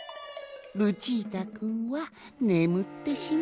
ルチータくんはねむってしまったわい。